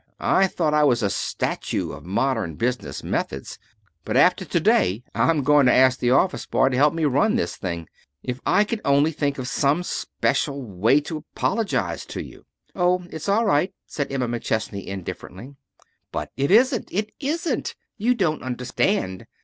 I thought I was a statue of modern business methods, but after to day I'm going to ask the office boy to help me run this thing. If I could only think of some special way to apologize to you " "Oh, it's all right," said Emma McChesney indifferently. "But it isn't! It isn't! You don't understand.